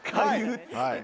はい。